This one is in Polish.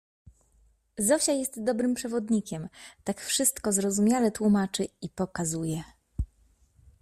Zosia jest dobrym przewodnikiem: tak wszystko zrozumiale tłumaczy i pokazuje.